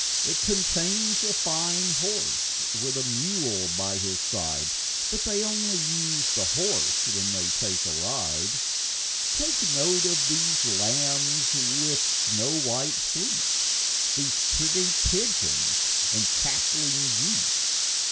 It contains a fine horse, with a mule by his side, But they only use the horse when they take a ride. OF CHANTICLEER. 13 Take note of these lambs with snow white fleece, These pretty pigeons and cackling geese.